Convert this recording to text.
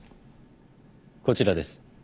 こちらです。